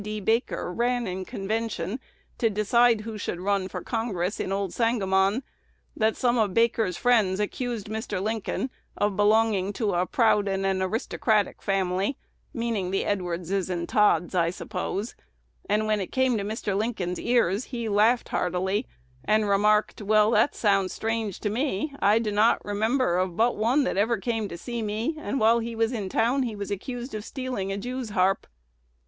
D. Baker ran in convention, to decide who should run for Congress in old Sangamon; that some of Baker's friends accused Mr. Lincoln of belonging to a proud and an aristocratic family, meaning the Edwardses and Todds, I suppose; and, when it came to Mr. Lincoln's ears, he laughed heartily, and remarked, 'Well, that sounds strange to me: I do not remember of but one that ever came to see me, and while he was in town he was accused of stealing a jew's harp.'